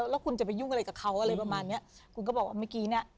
แล้วคุณจะไปยุ่งอะไรกับเขาอะไรประมาณเนี้ยคุณก็บอกว่าเมื่อกี้เนี้ย